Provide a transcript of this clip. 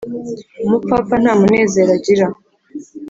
umupfapfa nta munezero agira .